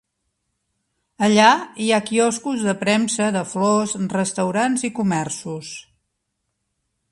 Allà hi ha quioscos de premsa, de flors, restaurants i comerços